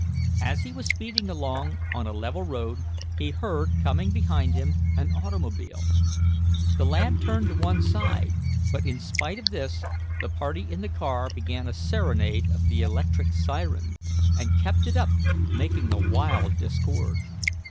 As he was speeding along on a level road, he heard, coming behind him, an automobile. The lad turned to one side, but, in spite of this the party in the car began a serenade of the electric siren, and kept it up, making a wild discord.